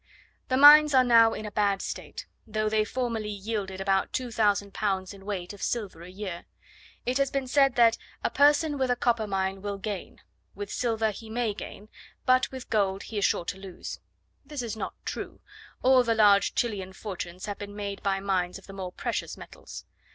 The mines are now in a bad state, though they formerly yielded about 2000 pounds in weight of silver a year. It has been said that "a person with a copper mine will gain; with silver he may gain; but with gold he is sure to lose." This is not true: all the large Chilian fortunes have been made by mines of the more precious metals.